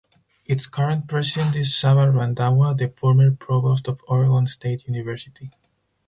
Its current president is Sabah Randhawa, the former provost of Oregon State University.